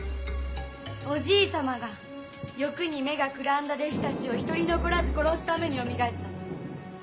おじいさまが欲に目がくらんだ弟子たちを１人残らず殺すためによみがえったの。